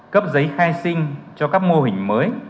cấp giấy khai sinh cho các mô hình mới